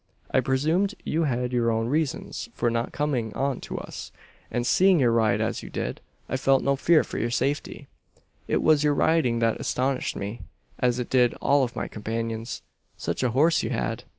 I presumed you had your own reasons for not coming on to us; and, seeing you ride as you did, I felt no fear for your safety. It was your riding that astonished me, as it did all of my companions. Such a horse you had!